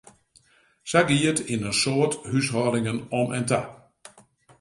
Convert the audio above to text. Sa gie it yn in soad húshâldingen om en ta.